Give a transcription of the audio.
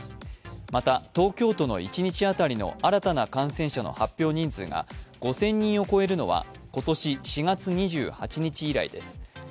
また、東京都の一日当たりの新たな感染者の発表人数が５０００人を超えるのは今年４月２８日以来です。